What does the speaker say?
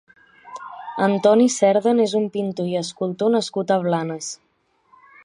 Antoni Cerdan és un pintor i escultor nascut a Blanes.